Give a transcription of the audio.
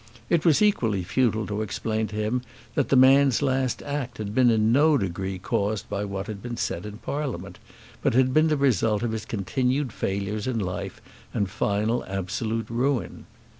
It was equally futile to explain to him that the man's last act had been in no degree caused by what had been said in Parliament, but had been the result of his continued failures in life and final absolute ruin.